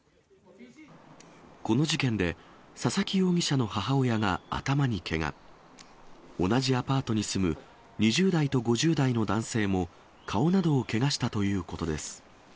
この事件で、佐々木容疑者の母親が頭にけが、同じアパートに住む２０代と５０代の男性も、顔などをけがしたということです。